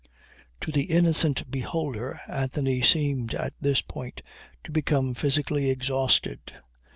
To the innocent beholder Anthony seemed at this point to become physically exhausted.